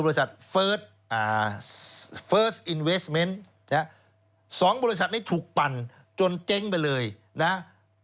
โบราชาติอ่าสองบริษัทนี้ถูกปั่นจนเจ๊งไปเลยนะฮะ